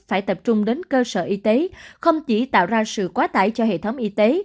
phải tập trung đến cơ sở y tế không chỉ tạo ra sự quá tải cho hệ thống y tế